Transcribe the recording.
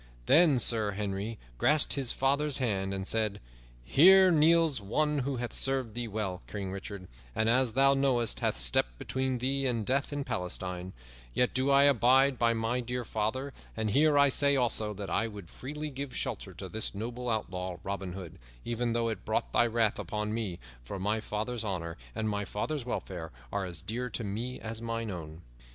Then Sir Henry grasped his father's hand and said, "Here kneels one who hath served thee well, King Richard, and, as thou knowest, hath stepped between thee and death in Palestine; yet do I abide by my dear father, and here I say also, that I would freely give shelter to this noble outlaw, Robin Hood, even though it brought thy wrath upon me, for my father's honor and my father's welfare are as dear to me as mine own."